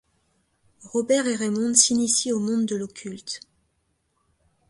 Robert et Raymonde s'initient au monde de l'occulte.